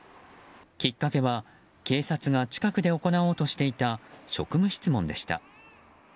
きっかけは警察が近くで行おうとしていた職務質問でした。